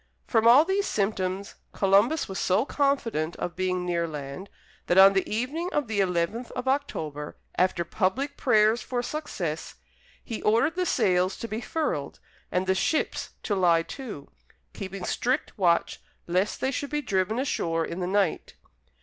From all these symptoms, Columbus was so confident of being near land, that on the evening of the eleventh of October, after public prayers for success, he ordered the sails to be furled, and the ships to lie to, keeping strict watch lest they should be driven ashore in the night.